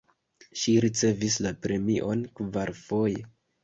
Ŝi ricevis la premion kvarfoje.